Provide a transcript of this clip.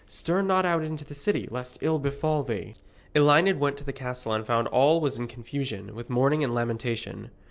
Stir not out into the city lest ill befall thee.' Elined went to the castle and found all was in confusion, with mourning and lamentation.